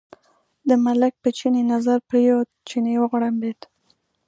د ملک په چیني نظر پرېوت، چیني وغړمبېد.